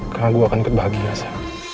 karena gue akan kebahagia saya